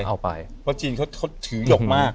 เพราะจีนเขาถือหยกมาก